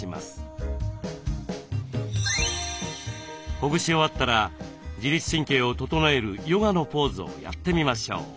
ほぐし終わったら自律神経を整えるヨガのポーズをやってみましょう。